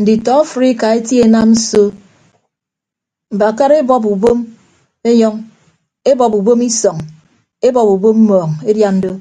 Nditọ afrika etie enam so mbakara ebọp ubom enyọñ ebọp ubom isọñ ebọp ubom mmọọñ edian do.